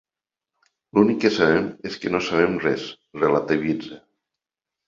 L'únic que sabem és que no sabem res —relativitza.